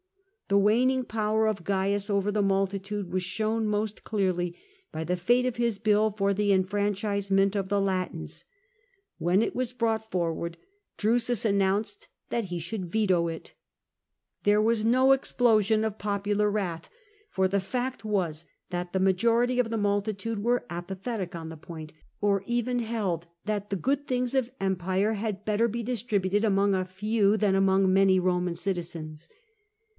The waning power of Cains over the multitude was shown most clearly by the fate of his bill for the en franchisement of the Latins. When it was brought forward, Drusus announced that he should veto it. There DEUSUS STOPS THE FRANCHISE BILL 75 ^as no explosion of popnlar wratii, for the fact was that the majority of the mnltitnd© was apathetic on the point, or even held that the good things of empire had better be distributed among a few than among many Roman citizens.